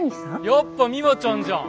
やっぱミワちゃんじゃん。